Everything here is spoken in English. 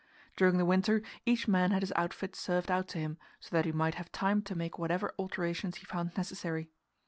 During the winter each man had his outfit served out to him, so that he might have time to make whatever alterations he found necessary.